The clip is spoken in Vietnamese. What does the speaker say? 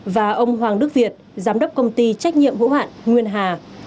và ông hoàng đức việt giám đốc công ty trách nhiệm hữu hạn nguyên hà